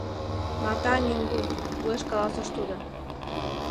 — Мата-нингу, — уэш каласыш тудо.